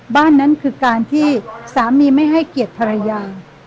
บ้านนั้นคือการที่สามีไม่ให้เกียรติภรรยา